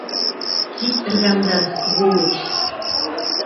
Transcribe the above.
Кит эргәмдән, сволочь!